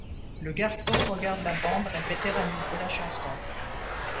Le garçon regarde la bande répéter à nouveau la chanson.